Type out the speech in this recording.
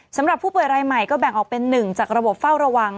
สำหรับผู้ป่วยรายใหม่ก็แบ่งออกเป็น๑จากระบบเฝ้าระวัง